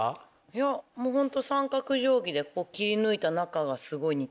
いやもうホント三角定規で切り抜いた中が。